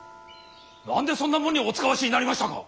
何でそんなもんにお使わしになりましたか！